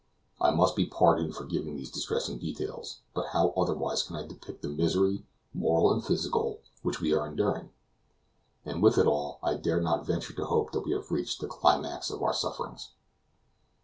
I must be pardoned for giving these distressing details; but how otherwise can I depict the misery, moral and physical, which we are enduring? And with it all, I dare not venture to hope that we have reached the climax of our sufferings.